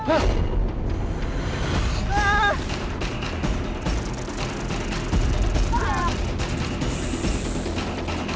kita sudah seharian kami menjelajah